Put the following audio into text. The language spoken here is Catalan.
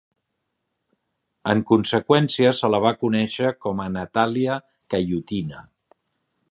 En conseqüència se la va conèixer com a Natalia Khayutina.